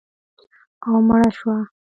او مړه شوه